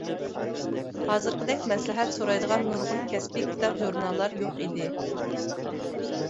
ھازىرقىدەك مەسلىھەت سورايدىغان نۇرغۇن كەسپىي كىتاب-ژۇرناللار يوق ئىدى.